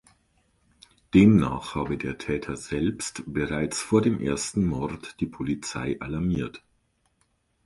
Demnach habe der Täter selbst bereits vor dem ersten Mord die Polizei alarmiert.